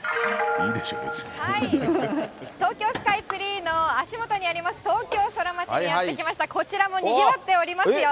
東京スカイツリーの足元にあります、東京ソラマチにやって来ました、こちらもにぎわっておりますよ。